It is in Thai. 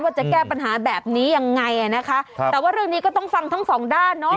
จะแก้ปัญหาแบบนี้ยังไงอ่ะนะคะครับแต่ว่าเรื่องนี้ก็ต้องฟังทั้งสองด้านเนอะ